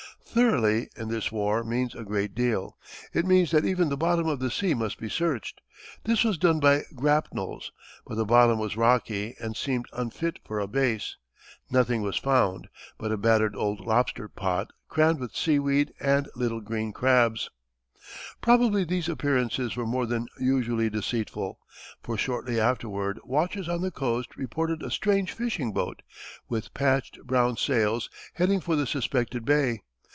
"Thoroughly" in this war means a great deal. It means that even the bottom of the sea must be searched. This was done by grapnels; but the bottom was rocky and seemed unfit for a base. Nothing was found but a battered old lobster pot, crammed with seaweed and little green crabs. Probably these appearances were more than usually deceitful; for shortly afterward watchers on the coast reported a strange fishing boat, with patched brown sails, heading for the suspected bay.